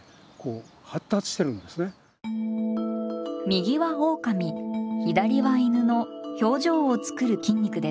右はオオカミ左は犬の表情を作る筋肉です。